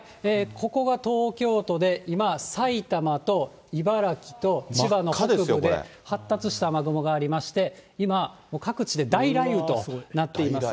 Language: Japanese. ここが東京都で、今、埼玉と茨城と千葉の北部で発達した雨雲がありまして、今、各地で大雷雨となっています。